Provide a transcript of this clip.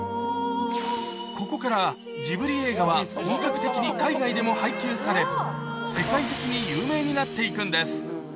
ここからジブリ映画は本格的に海外でも配給され、世界的に有名になっていくんです。